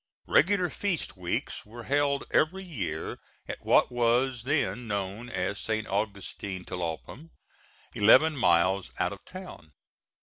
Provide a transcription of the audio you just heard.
Regular feast weeks were held every year at what was then known as St. Augustin Tlalpam, eleven miles out of town.